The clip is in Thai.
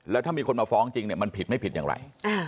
แล้วถ้ามีคนมาฟ้องจริงมันผิดไม่ผิดอย่างไร